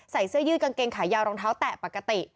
เสื้อยืดกางเกงขายาวรองเท้าแตะปกติ